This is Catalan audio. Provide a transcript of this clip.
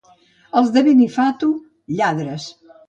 Els de Benifato, lladres.